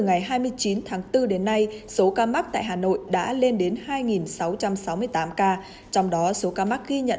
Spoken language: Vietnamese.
từ ngày hai mươi chín tháng bốn đến nay số ca mắc tại hà nội đã lên đến hai sáu trăm sáu mươi tám ca trong đó số ca mắc ghi nhận